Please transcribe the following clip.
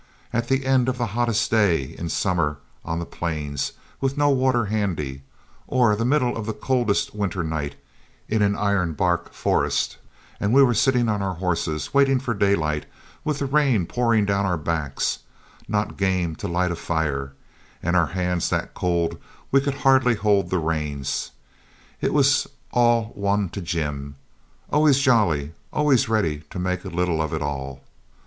At the end of the hottest day in summer on the plains, with no water handy, or the middle of the coldest winter night in an ironbark forest, and we sitting on our horses waiting for daylight, with the rain pouring down our backs, not game to light a fire, and our hands that cold we could hardly hold the reins, it was all one to Jim. Always jolly, always ready to make little of it all.